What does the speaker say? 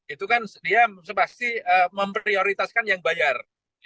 itu kan dia sepasti memprioritaskan yang bayar